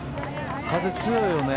風強いよね。